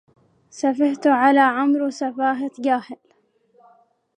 سفهت على عمرو سفاهة جاهل